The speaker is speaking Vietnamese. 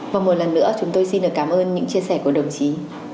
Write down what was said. và một lần nữa chúng tôi xin được cảm ơn những chia sẻ của đồng chí